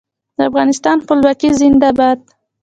د افغانستان خپلواکي زنده باد.